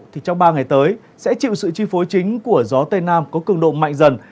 thì trong ba ngày tới sẽ chịu sự chi phối chính của gió tây nam có cường độ mạnh dần